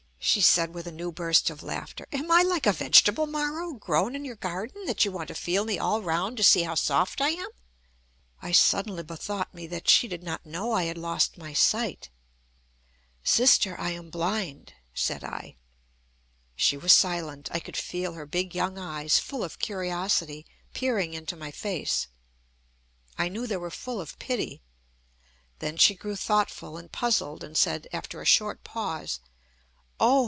she said, with a new burst of laughter. "Am I like a vegetable marrow, grown in your garden, that you want to feel me all round to see how soft I am?" I suddenly bethought me that she did not know I had lost my sight. "Sister, I am blind," said I. She was silent. I could feel her big young eyes, full of curiosity, peering into my face. I knew they were full of pity. Then she grew thoughtful and puzzled, and said, after a short pause: "Oh!